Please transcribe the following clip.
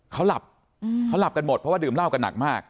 เขาหลับเขาหลับกันหมดเพราะว่าดื่มเหล้ากันหนักมาก